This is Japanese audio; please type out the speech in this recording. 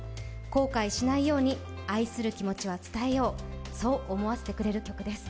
後悔しないように愛する気持ちは伝えよう、そう思わせてくれる曲です。